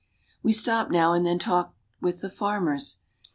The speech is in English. We stop now and then to talk with the farmers.